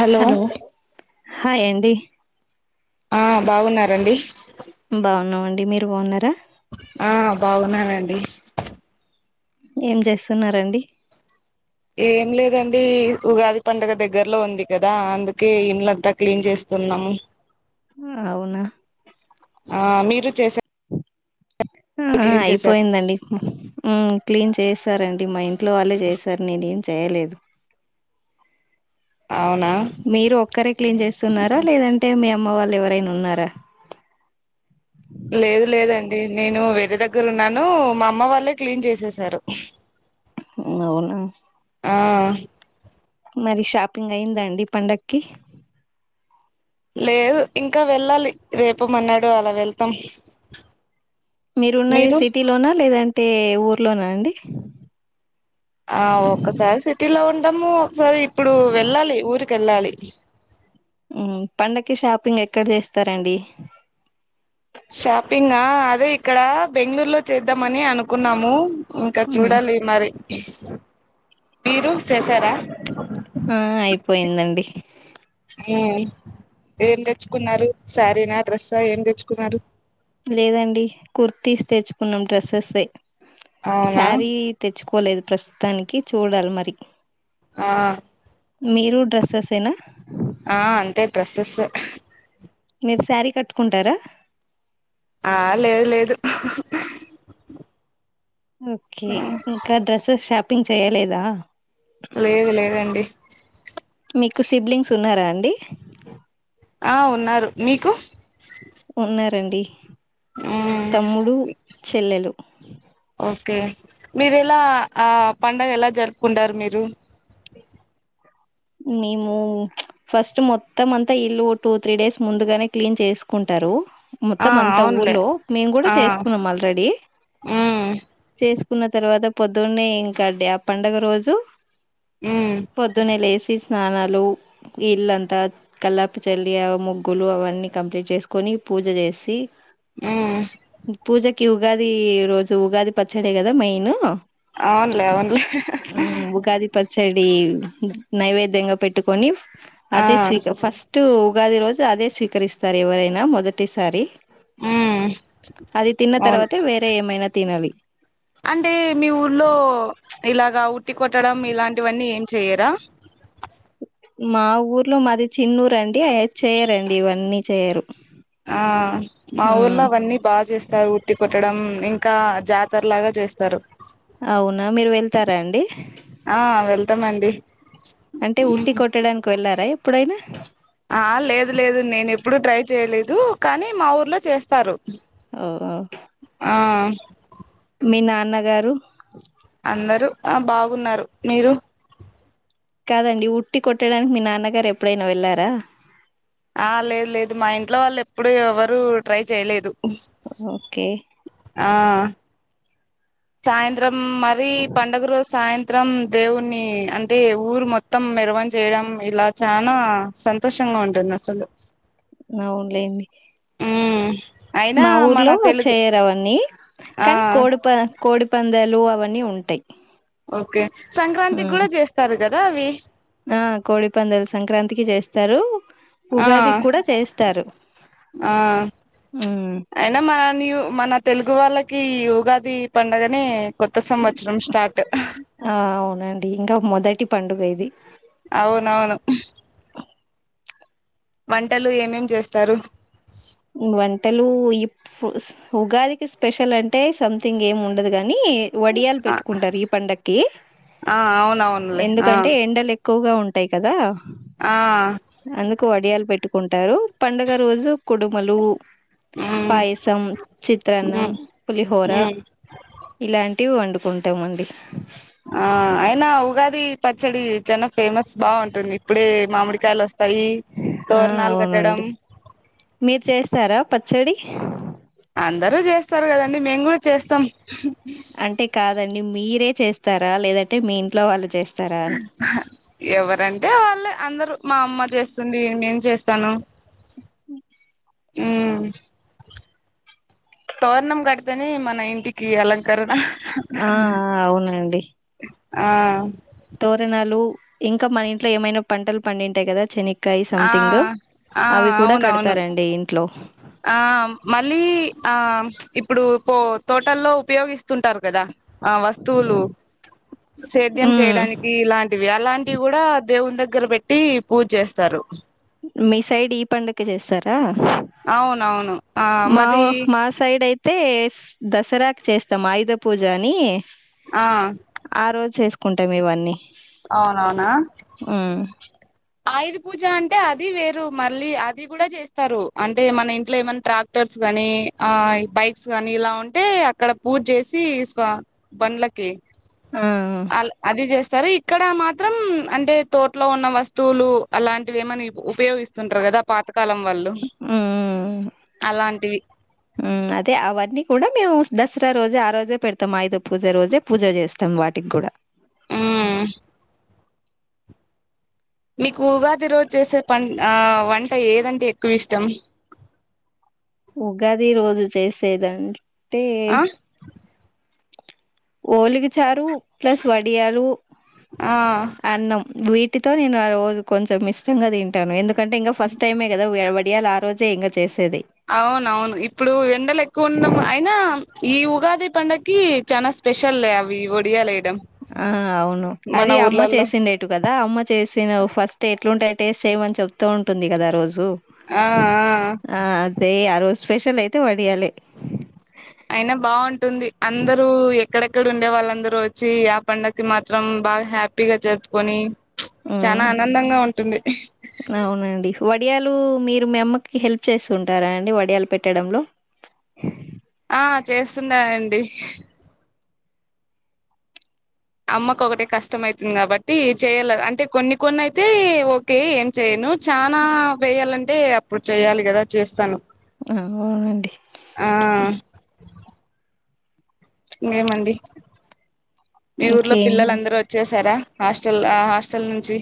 Hello హాయండి ఆ బాగున్నారండి బాగున్నామండి మీరు బాగున్నారా ఆ బాగున్నానండి ఏం చేస్తున్నారండి ఏం లేదండి ఉగాది పండుగ దగ్గరలో ఉంది కదా అందుకే ఇంలంతా క్లీన్ చేస్ తున్నం అవునా ఆ మీరు చేసే ఆ అయిపోయిందండి ఉమ్ క్లీన్ చేస్ సారండి మా ఇంట్లో వాళ్ళే చేసారు నేను ఏం చేయలేదు అవునా మీరు ఒక్కరే క్లీన్ చేస్తున్నారా లేదంటే మీ అమ్మ వాళ్ళు ఎవర రైనా ఉన్నార లేదు లేదండి నేను వేరే దగ్గర ఉన్నాను మా అమ్మ వాళ్ళే క్లీన్ చేసెసారు అవున ఆ మరి షాపింగ్ అయిదండి పండక్కి లేదు ఇంకా వెళ్ళాలి రేపు మన్నాడు అలా వెళ్తాం మీరు ఉన్నది సిటీలోనా లేదంటే ఊర్లోనా అండి ఆ ఒక్కసారి సిటీలో ఉంటము ఒకసారి ఇప్పుడు వెళ్ళాలి ఊరికెళ్ళాలి ఉమ్ పండక్కి షాపింగ్ ఎక్కడ చేస్తారండి షాపింగా అదే ఇక్కడ బెంగళూరులో చేద్దామని అనుకున్నాము. ఇంకా ఉమ్ చూడాలి మరి, మీరు చేసారా ఆ అయిపోయిందండి ఉమ్ ఏం తెచ్చుకున్నారు శారీనా డ్రెస్స ఏం తెచ్చుకున్నారు లేదండి కుర్తీస్ తెచ్చుకున్నాం డ్రెస్సెస్సే అవునా సారీ తెచ్చుకోలేదు ప్రస్తుతానికి చూడాలి మరి ఆ మీరు డ్రెస్సెసేనా ఆ అంతే డ్రెస్సెస్సే మీరు శారీ కట్టుకుంటారా ఆ లేదు లేదు ఓకే ఇంకా డ్రెస్సెస్ షాపింగ్ చేయలేదా లేదు లేదండి మీకు సిబ్లింగ్స్ ఉన్నారా అండి ఆ ఉన్నారు మీకు ఉన్నారండి, మ్మ్ తమ్ముడు, చెల్లెలు ఓకే మీరు ఎలా ఆ పండగ ఎలా జరుపుకుంటారు మీరు టే మేము ఫస్ట్ మొత్తం అంతా ఇల్లు టూ త్రీ డేస్ ముందుగానే క్లీన్ చేసుకుంట టరు ఆ మొత్తం అంతా అవునులే ఊర్లో మేము కూడా ఆ చేసుకున్నాం ఆల్రెడీ, మ్మ్ చేసుకు కున్న తర్వాత పొద్దున్నే ఇంకాడి ఆ పండగ రోజు మ్మ్ పొద్దున్నే లేసి స్నానాలు ఇల్లంతా కళ్ళాపి చల్లి ముగ్గులు అవన్నీ కంప్లీట్ చేసుకొని పూజ చేసి ఉమ్ ఈ ఉగాది రోజు ఉగాది పచ్చడే కదా మెయిన్ అవునులే అవునులే చడీ నైవేద్యంగా పెట్టుకొని ఆ అదే స్వీక ఫస్ట్ ఉగాది రోజు అదే స్వీకరిస్తారు ఎవరైనా మొదటిసారి ఉమ్ అది తిన్న అవును తర్వాత వేరే ఏమైనా తినాలి అంటే మీ ఊర్లో ఇలాగా ఉట్టి కొట్టడం ఇలాంటివన్నీ చేయరా మా ఊర్లో మాది చిన్నూరు అండి అ చేయరండి ఇవన్నీ చేయరు ఆ మా ఊర్లో ఉమ్ అవన్నీ బా చేస్తారు ఉట్టి కొ పెట్టడం ఇంకా జాతర లాగా చేస్తారు అవునా మీరు వెళ్తారా అండి ఆ వెళ్తామండి అంటే ఉట్టి కొట్టడానికి వెళ్ళారా ఎప్పుడైనా ఆ లేదు లేదు నేనెప్పు ఎప్పుడు ట్రై చేయలేదు కానీ మా ఊర్లో చేస్తారు ఓఓ ఆ మీ నాన్నగారు అందరు ఆ బాగున్నారు మీరు కాదండి ఉట్టి కొట్టడానికి మీ నాన్నగారు ఎప్పుడైనా వెళ్ళారా ఆ లేదు లేదు మా ఇంట్లో వాళ్ళు ఎప్పుడు ఎవరూ ట్రై చేయలేదు ఓకే ఆ సాయంత్రం మరీ పండుగ రోజు సాయంత్రం దేవున్ని అంటే ఊరు మొత్తం మెరవం చేయడం ఇలా చనా సంతోషంగా ఉంటుంది అసలు అవునులేండి హ్మ్ మా ఊర్లో చేయరు అవన్నీ ఆ కాని కోడి ప కోడిపందాలు అవన్నీ ఉంటాయి ఓకే సంక్రాంతి ఉమ్ గూడా చేస్తారు కదా అవి ఆ కోడి పందాలు సంక్రాంతికి చేస్తారు ఆ ఉగాది కూడా చేస్తారు ఆ ఉమ్ అయినా మన న్యు మన తెలుగు వాళ్ళకి కీ ఉగాది పండుగనే ఆ అవునండి ఇంక మొదటి పండుగ ఇది అవునవును వంటలు ఏమేం చేస్తారు వంటలు ఈ ఉగాదికి స్పెషల్ అంటే సంథింగ్ ఏమి ఉండదు గ నీ వడియాల్ ఆ పెట్టుకుంటారు ఈ పండక్కి ఆ అవునవునులే ఆ ఎందుంటే ఎండలు ఎ క్కువగా ఉంటాయి కదా ఆ కు వడియాలు పెట్టుకుంటారు పండుగ రోజు కుడుములు ఉమ్ పాయసం ఉమ్ చిత్రాన్నం పులిహోర ఉమ్ ఇలా టి వండుకుంటామండి ఆ అయినా ఉగాది పచ్చడి చానా ఫేమస్ బావుంటుంది ఇప్పుడే మామిడికాయలు వస్తాయి ఆ తోరణాలు కట్టడం అవునండి మీరు చేస్తారా పచ్చడి వస్తారు కదండి మేము గూడ చేస్తాం అంటే కాదండి మీరే చేస్తారా లేదంటే మీ ఇంట్లో వాళ్ళు చేస్ ఎవరంటే వాళ్ళే అందరు మా అమ్మ చేస్తుంది నేన చేస్తాను ఉ ఉమ్ తోరణం గడ్తేనే మన ఇంటికి గి అలంకరణ ఆ ఆ! అవునండి ఆ ఇంక మన ఇంట్లో ఏమైనా పంటలు పండింటాయి కదా శని కై ఆ సంథింగ్ ఆ అవి కూడ అవునవును కడతారండి ఇంట్లో ఆ మళ్ళీ ఆ ఇప్పుడు పో తోటల్లో ఉపయోగిస్తుంటారు కదా ఆ వస్తువులు సేద్యం ఉమ్ చేయడానికి ఇలాంటివి అలాంటివి కూడా దేవుని దగ్గర పెట్టి పూజ్ చేస్తారు మీ సైడ్ ఈ పండగ చేస్తార అవునవును ఆ మా మది మా సైడ్ అయితే దసరాకు చేస్తాం ఆయుధ పూజ అనీ ఆ ఆ రోజు చేసు కుంటాం ఇవన్నీ అవునవునా ఉమ్ ఆయుధ పూజ అంటే అది వేరు మళ్ళీ అది కూడ చేస్తారు అంటే మన ఇంట్లో ఏమన్న ట్రాక్టర్స్ గనీ ఆ బైక్స్ గానీ ఇలా ఉంటే అక్కడ పూజ్ చేసి స్వా బండ్లకి ఆ అ అది చేస్తారు ఇక్కడ మాత్రం అంటే తోటలో ఉన్న వస్తు వస్తువులు అలాంటివి ఏమనా ఉపయోగిస్తుంటరు కదా పాత ఉమ్ అలాంటివి మ్ అదే అవన్నీ కూడా మేము దసరా రోజే ఆ రోజే పెడతాం ఐదొవ పూజ రోజే పూజ చేస్తాం వాటికి కూడా ఉమ్ మీకు ఉగాది రోజ్ చేసే పంట ఆ వంట ఏదంటే ఎక్కువ ఇష్టం ఉగాది రోజు చేసేద్ అంటే ఆ ఓలిగ చారు ప్లస్ వడియాలు ఆ అన్నం వీట్ టితో నేను ఆ రోజు కొంచెం ఇష్టంగా తింటాను ఎందుకంటే ఇంకా ఫస్ట్ టైమే కదా వె వడియాలి ఆ రోజు ఇంతె ఇంగ చేసేది అవునవును ఇప్పుడు ఎండలెక్కువ ఉండం అయినా ఈ ఉగాది పండక్కి చానా స్పెషల్లె అవి వడియాాల వేయటం ఆ అవును అది అమ్మ చేసిండెటు కదా అమ్మ చేసిన ఫస్ట్ ఎట్లుంటాయి టేస్ట్ చేయిమని చెప్తూ ఉంటుంది కదా రోజు ఆ ఆ ఆ అదే ఆ రోజు స్పెషల్ అయితే వడియాలే అయినాబాగుంటుంది అందరూ ఎక్కడెక్కడ ఉండే వాళ్ళందరూ వచ్చి ఆ పండకి మాత్రం బాగ హ్యాపీగ జరుపుకొని చాలా ఉమ్ ఆనందంగా ఉంటుంది అవునండి వడియాలు మీరు మీ అమ్మకి హెల్ప్ చేస్తుంటార అండి వడియాలు పెట్టడంలో ఆ చేస్తుంటానండి అమ్మకు ఒకటిే కష్టం అయితుంది కాబట్టి చేయలే అంటే కొన్ని కొన్ని అయితే ఓకే ఏం చేయను ను చానా వేయాలంటే అప్పుడు చెయ్యాలి కదా చేస్తాను అహా అండి ఆ ఇంకేమండి మీ ఊర్లో ఇంకేం పిల్లలుందరు వచ్చేసారా హాస్టల్ల హాస్టల్ నుంచి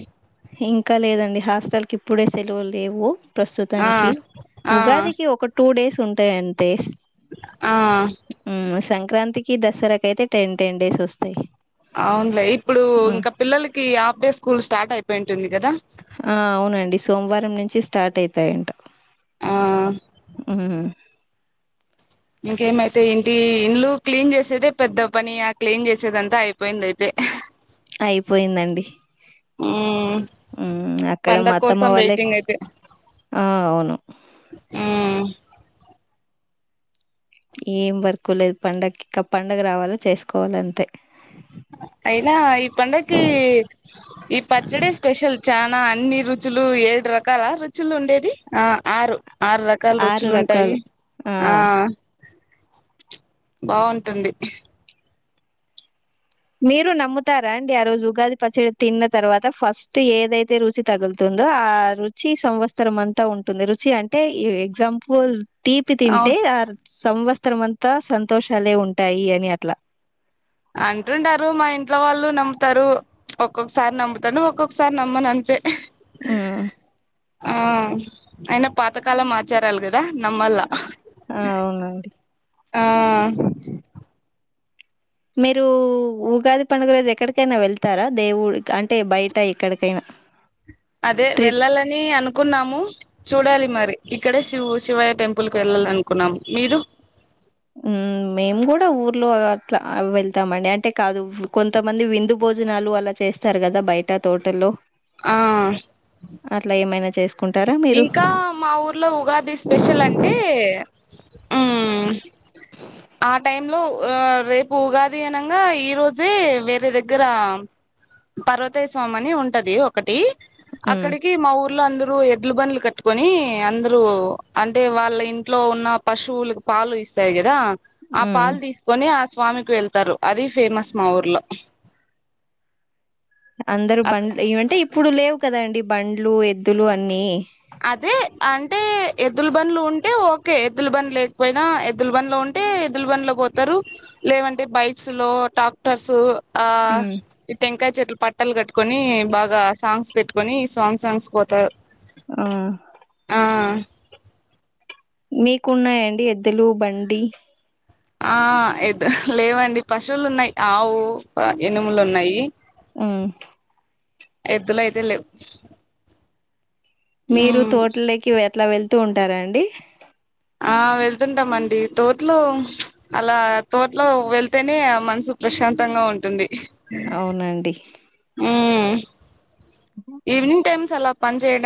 ఇంక లేదండి హాస్టల్ కి ఇప్పుడే సెలవులు లేవు ఆ ప్రస్తుతానికి ఆ ఉగాదికి ఒక టూ డేస్ ఉంటాయి అంతే ఆ ఉమ్ సంక్రాంతికి దసరాకయితే టెన్ టెన్ డేస్ వస్తాయి అవున్లే ఇప్పుడు హ్మ్. ఇంకా పిల్లలకి హాఫ్ డే స్కూల్ స్టార్ట్ అయిపో ఆ అవునండి సోమ్వారం నుంచి స్టార్ట్ అయితాయంట ఆ ఉ హు హు ఇంకేమైతే ఎంటి ఇల్లు క్లీన్ చేసేదే పెద్ద పని క్లీన్ చేసేదంతా అయిపోయింది అయితే అయిపోయిందండి. ఉమ్ హ్మ్ అక్కడ మా పండగ్ అత్తమ్మ కోసం వాళ్ళే వెయిటింగ్ అయితే ఆ అవును ఉమ్ ఏం వర్కు లేదు పండక్కి ఇంక పండగ రావాల చేసుకోవాల అంతే అయిన ఈ పండక్కి ఈ పచ్చడె స్పెషల్ చాలా అన్ని రుచులు ఏడు రకాల రుచులు ఉండేది ఆ ఆరు ఆరు రకాల ఆరు రుచులు ఉంటాయి రకాలు ఆ బాగుంటుంది మీరు నమ్ముతారా అండి ఆ రోజు ఉగాది పచ్చడి తిన్న తర్వాత ఫస్ట్ ఏదైతే రుచి తగులుతుందో ఆ రుచి సంవత్సరం అంతా ఉంటుంది రుచి అంటే ఈ ఎగ్జాంపుల్ తీపి అవు తింటే ఆ సంవత్సరమ్ అంత సంతోషాలే ఉంటాయి అని అట్లా అంటుంటారు మా ఇంట్లో వాళ్ళు నమ్ముతారు ఒక్కొక్కసారి నమ్ముతాను ఒక్కొక్కసారి నమ్మను అంతే హ్మ్మ్ ఆ అయిన పాతకాలం ఆచారాలు కదా కదా నమల్లా అవునా ఆ మీరు ఉగాది పండుగ రోజు ఎక్కడికైనా వెళ్తారా దేవుడి అంటే బయట ఎక్కడికైనా స్ అదే వెళ్ళాలని అను అనుకున్నాము చూడాలి మరి ఇక్కడే శి శివయ్య టెంపుల్ కి వెళ్ళాలి అనుకున్నాము మీరు హ మేము కూడా ఊర్లో అట్లా వెళ్తామండి అంటే కాదు కొంతమంది విందు బొ భోజనాలు అలా చేస్తారు కదా బయట తోటల్లో ఆ అట్లా ఏమైనా చేసు ఇంకా మా ఊర్లో ఉగాది స్పెషల్ అంటే హ్మ్మ్ ఆ టైమ్ లో రేపు ఉగాది అనంగా ఈ రోజే వేరే దగ్గర పర్వతేస్వామి అనీ ఉంటది ఒకటి ఉమ్ అక్కడికి మా ఊర్లో అందరు ఇడ్లు బండ్లు కట్టుకొని అందరూ అంటే వాళ్ళ ఇంట్లో ఉన్న పశువుల పాలు ఇస్తాయి కదా ఆ ఉమ్ పాలు తీసుకొని ఆ స్వామికి వెళ్తారు అది ఫేమస్ మా ఊర్లో అందరు బండ్ ఏంటే ఇప్పుడు లేవు కదా అండి బండ్లు ఎద్దులు అన్ని అదే అంటే ఎద్దులు బండ్లు ఉంటే ఓకే ఎద్దులు బండి లేకపోయినా ఎద్దులు బండ్లు ఉంటే ఎద్దులు బండిలో కూడా పోతారు లేదంటే బైక్స్ లో ట్రాక్టర్స్ ఉమ్ టెంకాయ చెట్ ఇ పట్టలు కట్టుకొని బాగా సాంగ్స్ పెట్టుకొని సాంగ్ సాంగ్స్ పోతారు ఆ ఆ మీకున్నాయండి ఎద్దలు బండి ఆ ఎద్దు లేవండి పశువులు ఉన్నాయి ఆవు ఎనుములు ఉన్నాయి ఆ ఎద్దుల అయితే లేవు మీరు ఉమ్ తోటలోకి అట్లా వెళ్తూ ఉంటారా అండి ఆ వెళ్తుంటామండి తోటలో అలా తోటలో వెళ్తేనే మనుసు ప్రశాంతంగా ఉంటుంది అవునండి ఉమ్ ఈవినింగ్ టైమ్స్ అలా పని చేయడం